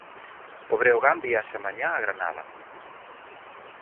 O Breogán viaxa mañá a Granada.